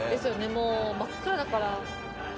もう真っ暗だから。